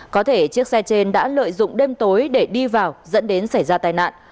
có thể chiếc xe trên đã lợi dụng đêm tối để đi vào dẫn đến xảy ra tai nạn